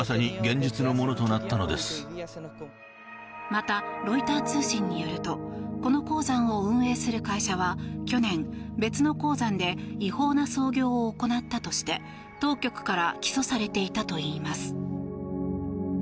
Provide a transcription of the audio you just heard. またロイター通信によるとこの鉱山を運営する会社は去年、別の鉱山で違法な操業を行ったとして当局から起訴されていたといいます。